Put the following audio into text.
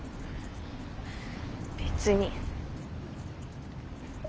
別に。